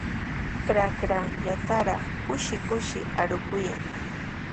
Trakrallaatraw kushi kushi arukuykaa.